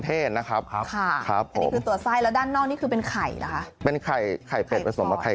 ข้างบัวแห่งสันยินดีต้อนรับทุกท่านนะครับ